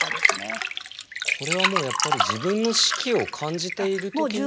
これはもうやっぱり自分の死期を感じている時に。